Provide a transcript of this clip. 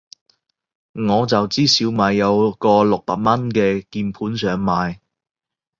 我就知小米有個六百蚊嘅鍵盤想買